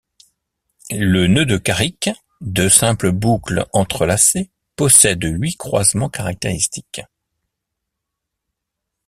Le nœud de Carrick, deux simples boucles entrelacées, possède huit croisements caractéristiques.